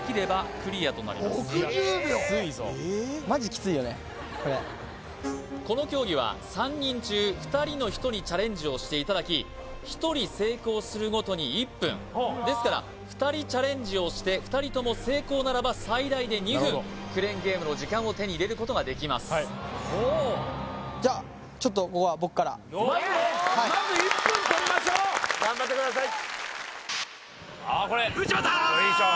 ・キツイぞマジキツイよねこれこの競技は３人中２人の人にチャレンジをしていただき１人成功するごとに１分ですから２人チャレンジをして２人とも成功ならば最大で２分なるほどクレーンゲームの時間を手に入れることができますじゃあちょっとここはまずねまず１分とりましょう頑張ってください